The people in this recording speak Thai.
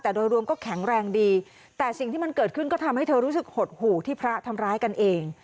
แต่โดยรวมก็แข็งแรงดีแต่สิ่งที่มันเกิดขึ้นก็ทำให้เธอรู้สึกหดหู่ที่พระทำร้ายกันเอง